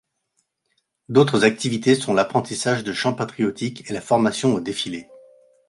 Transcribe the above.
D'autres activités sont l'apprentissage de chants patriotiques et la formation aux défilés.